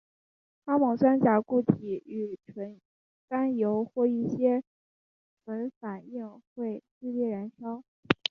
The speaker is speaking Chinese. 高锰酸钾固体与纯甘油或一些醇反应会剧烈燃烧。